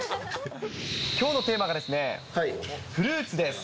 きょうのテーマがフルーツです。